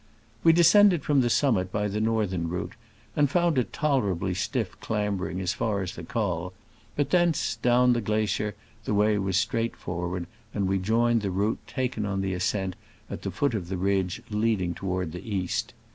We descended from the summit by the northern route, and found it tolerably stiff clambering as far as the col, but thence, down the glacier, the way was straightforward, and we joined the route taken on the ascent at the foot of the ridge leading toward the east.